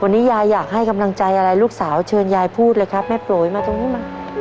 วันนี้ยายอยากให้กำลังใจอะไรลูกสาวเชิญยายพูดเลยครับแม่โปรยมาตรงนี้มา